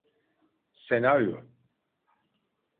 Senaryo…